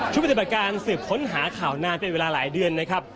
ปฏิบัติการสืบค้นหาข่าวนานเป็นเวลาหลายเดือนนะครับ